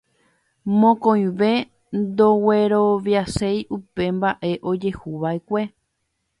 Mokõive ndogueroviaséi upe mbaʼe ojehuvaʼekue.